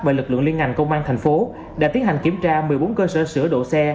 và lực lượng liên ngành công an tp hcm đã tiến hành kiểm tra một mươi bốn cơ sở sửa độ xe